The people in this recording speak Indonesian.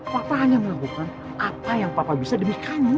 papa hanya melakukan apa yang papa bisa demi kamu